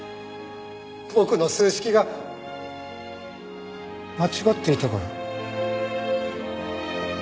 僕の数式が間違っていたから。